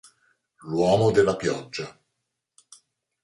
L'uomo della pioggia.